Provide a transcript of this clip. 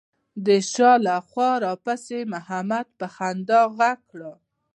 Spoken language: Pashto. د شا له خوا راپسې محمد په خندا غږ کړل.